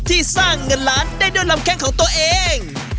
สร้างเงินล้านได้ด้วยลำแข้งของตัวเอง